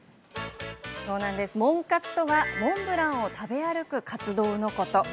そう、モン活とはモンブランを食べ歩く活動のこと。